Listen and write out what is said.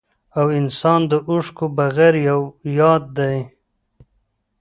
او انسان د اوښکو بغير يو ياد دی